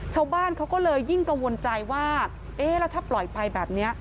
ชาวบ้านเขาก็เลยยิ่งกังวลใจว่าเอ๊ะแล้วถ้าปล่อยไปแบบนี้